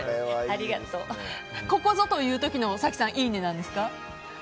ここぞという時の早紀さんいいねなんですか。